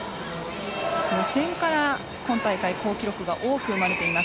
予選から今大会好記録が多く生まれています。